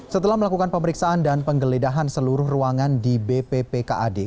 setelah melakukan pemeriksaan dan penggeledahan seluruh ruangan di bppkad